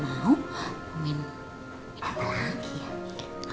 mau main apa lagi ya